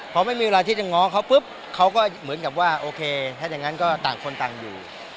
พอไม่มีเวลาที่จะง้อเขาปุ๊บเขาก็เหมือนกับว่าโอเคถ้าอย่างนั้นก็ต่างคนต่างอยู่